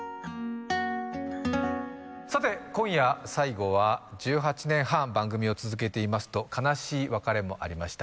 さて今夜最後は１８年半番組を続けていますと悲しい別れもありました